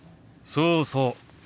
そうそう。